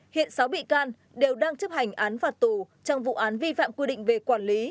hiện sáu bị can đều đang chấp hành án phạt tù trong vụ án vi phạm quy định về quản lý